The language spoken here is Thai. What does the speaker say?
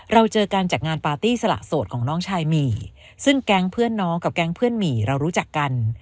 เราเจอกันจากงานปาร์ตี้สละโสดของน้องชายหมี่ซึ่งแก๊งเพื่อนน้องกับแก๊งเพื่อนหมี่เรารู้จักกัน